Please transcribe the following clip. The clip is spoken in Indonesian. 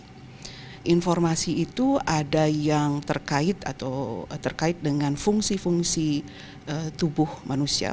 jadi informasi itu ada yang terkait dengan fungsi fungsi tubuh manusia